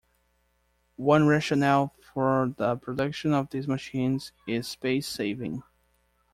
One rationale for the production of these machines is space saving.